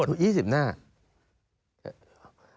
อาจารย์ทำให้ผมหายสงสัยทุกอย่างเลย